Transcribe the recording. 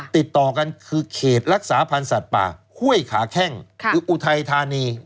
ติดต่อกันคือเขตรักษาพันธ์สัตว์ป่าห้วยขาแข้งคืออุทัยธานี